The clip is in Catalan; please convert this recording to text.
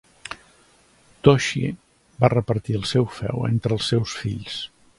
Toshiie va repartir el seu feu entre els seus fills.